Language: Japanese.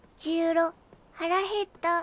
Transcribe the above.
ろはらへった。